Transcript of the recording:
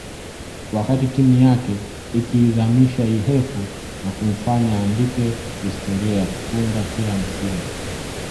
wakati timu yake ikiizamisha Ihefu na kumfanya aandike historia ya kufunga kila msimu